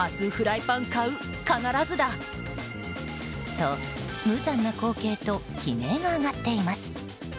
と、無残な光景と悲鳴が上がっています。